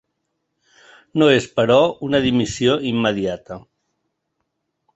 No és, però, una dimissió immediata.